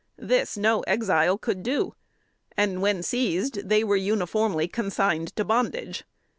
This, no Exile could do; and, when seized, they were uniformly consigned to bondage.